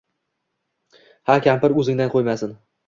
ha kampir o’zingdan qo’ymasin...